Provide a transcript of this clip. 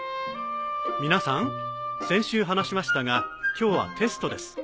皆さん先週話しましたが今日はテストです。